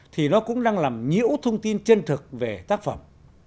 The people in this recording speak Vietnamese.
thì nó cũng đang làm nhiễu thông tin chân thực về tác phẩm